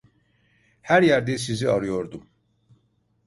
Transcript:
Her yerde sizi arıyordum.